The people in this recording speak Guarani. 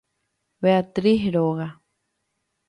Beatriz róga.